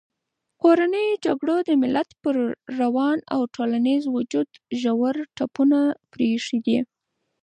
کورنیو جګړو د ملت پر روان او ټولنیز وجود ژور ټپونه پرېښي دي.